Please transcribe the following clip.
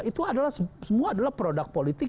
itu adalah semua adalah produk politik